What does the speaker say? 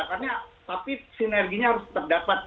tapi sinerginya harus terdapat